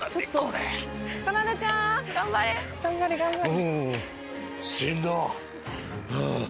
頑張れ頑張れ！